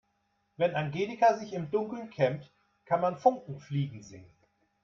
Wenn Angelika sich im Dunkeln kämmt, kann man Funken fliegen sehen.